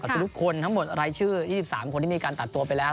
ทุกคนทั้งหมดรายชื่อ๒๓คนที่มีการตัดตัวไปแล้ว